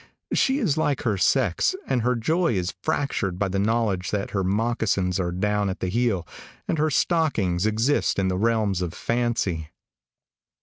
She is like her sex, and her joy is fractured by the knowledge that her moccasins are down at the heel, and her stockings existing in the realms of fancy.